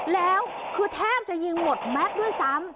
แล้วคือแทบจะยิงหมดแม็กซ์ด้วยซ้ำ